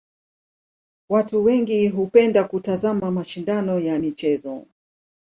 Watu wengi hupenda kutazama mashindano ya michezo.